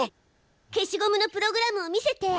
消しゴムのプログラムを見せて。